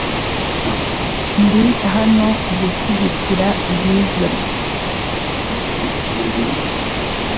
Ndi hano gushyigikira Bwiza .